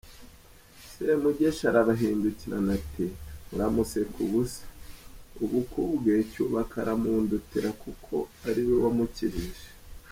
Semugeshi arabahindukirana ati "Muramuseka ubusa, ubu ku bwe Cyubaka aramundutira kuko ari we wamukijije.